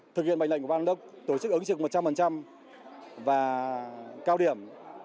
thực hiện mệnh lệnh của ban đốc tổ chức ứng trực một trăm linh và cao điểm